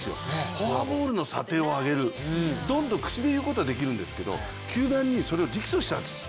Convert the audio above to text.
フォアボールの査定をあげる、口で言うことはできるんですけれども、球団にそれを直訴したんです。